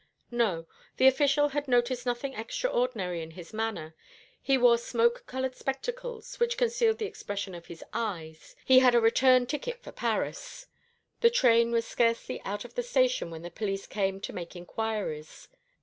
No, the official had noticed nothing extraordinary in his manner. He wore smoke coloured spectacles, which concealed the expression of his eyes. He had a return ticket for Paris. The train was scarcely out of the station when the police came to make inquiries.